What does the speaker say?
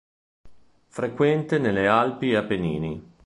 Frequente nelle Alpi e Appennini.